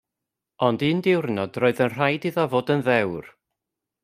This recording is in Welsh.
Ond un diwrnod roedd yn rhaid iddo fod yn ddewr.